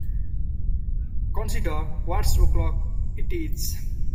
Consider what o’clock it is.